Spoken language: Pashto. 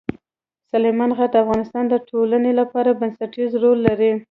سلیمان غر د افغانستان د ټولنې لپاره بنسټيز رول لري.